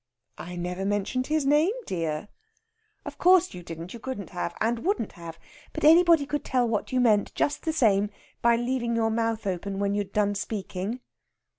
"I never mentioned his name, dear." "Of course you didn't; you couldn't have, and wouldn't have. But anybody could tell what you meant, just the same, by leaving your mouth open when you'd done speaking."